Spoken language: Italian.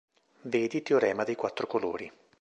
Vedi Teorema dei quattro colori.